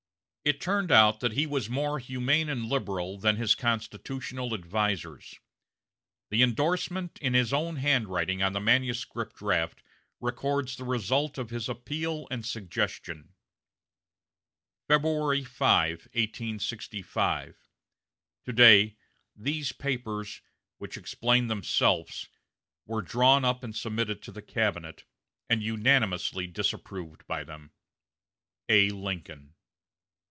It turned out that he was more humane and liberal than his constitutional advisers. The indorsement in his own handwriting on the manuscript draft records the result of his appeal and suggestion: "February 5, 1865. To day, these papers, which explain themselves, were drawn up and submitted to the cabinet, and unanimously disapproved by them. "A. LINCOLN."